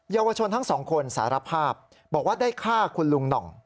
เยาวชนทั้งสองคนสารภาพบอกว่าได้ฆ่าคุณลุงหน่อง